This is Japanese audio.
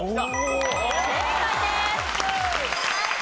正解です。